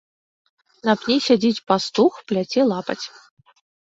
На пні сядзіць пастух, пляце лапаць.